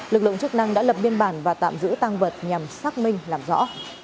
lực lượng chức năng đã lập biên bản và tạm giữ tăng vật nhằm xác minh làm rõ